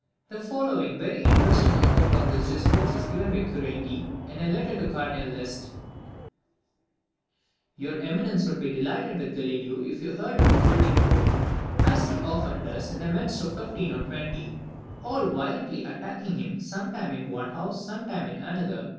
The following very interesting account of these disputes is given by Querenghi, in a letter to the Cardinal D'Este: "Your eminence would be delighted with Galileo if you heard him holding forth, as he often does, in the midst of fifteen or twenty, all violently attacking him, sometimes in one house, sometimes in another.